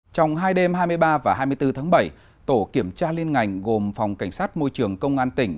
trong hai đêm hai mươi ba và hai mươi bốn tháng bảy tổ kiểm tra liên ngành gồm phòng cảnh sát môi trường công an tỉnh